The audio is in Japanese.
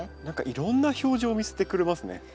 何かいろんな表情を見せてくれますね。